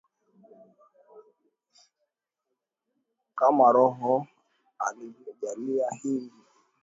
kama Roho alivyowajalia Hii ilifuatiwa na Petro na wenzake kuanza